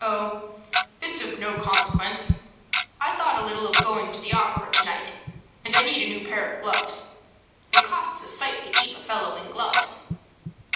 "Oh, it's of no consequence. I thought a little of going to the opera to night, and I need a new pair of gloves. It costs a sight to keep a fellow in gloves."